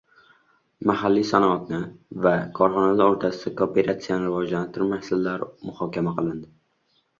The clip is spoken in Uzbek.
Mahalliy sanoatni va korxonalar o‘rtasida kooperatsiyani rivojlantirish masalalari muhokama qilindi